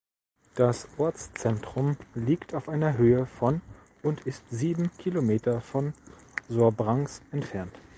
Das Ortszentrum liegt auf einer Höhe von und ist sieben Kilometer von Sobrance entfernt.